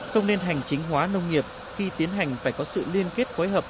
không nên hành chính hóa nông nghiệp khi tiến hành phải có sự liên kết phối hợp